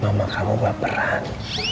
mama kamu baperan